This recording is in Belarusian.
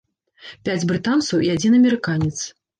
Пяць брытанцаў і адзін амерыканец.